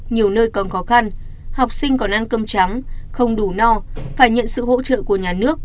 nhiều nơi còn khó khăn học sinh còn ăn cơm trắng không đủ no phải nhận sự hỗ trợ của nhà nước